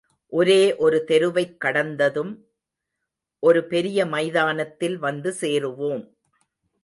ஒரே ஒரு தெருவைக் கடந்ததும், ஒரு பெரிய மைதானத்தில் வந்து சேருவோம்.